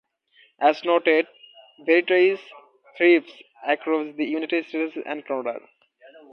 As noted, varieties thrive across the United States and Canada.